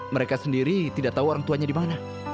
mereka sendiri tidak tahu orang tuanya di mana